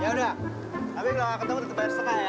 ya udah tapi kalau gak ketemu tetep balik sekal ya